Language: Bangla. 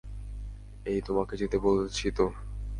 এই, তোমাকে যেতে বলেছি তো।